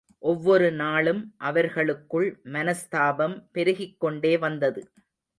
ஒவ்வொருநாளும் அவர்களுக்குள் மனஸ்தாபம் பெருகிக்கொண்டே வந்தது.